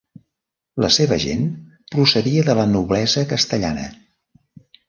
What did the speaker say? La seva gent procedia de la noblesa castellana.